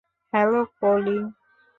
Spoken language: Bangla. হ্যালো, কোলি?